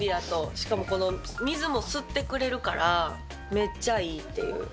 しかもこの水も吸ってくれるから、めっちゃいいっていう。